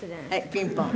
ピンポン。